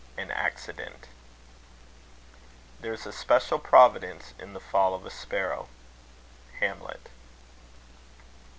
AN ACCIDENT. There's a special providence in the fall of a sparrow. Hamlet.